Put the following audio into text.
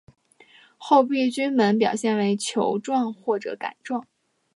厚壁菌门表现为球状或者杆状。